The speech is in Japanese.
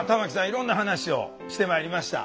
いろんな話をしてまいりました。